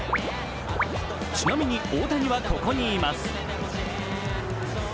ちなみに、大谷はここにいます。